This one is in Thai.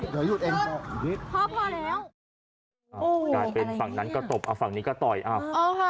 กลายเป็นฝั่งนั้นก็ตบฝั่งนี้ก็ต่อยอับ